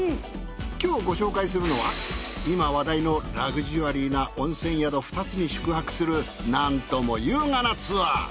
今日ご紹介するのは今話題のラグジュアリーな温泉宿２つに宿泊するなんとも優雅なツアー。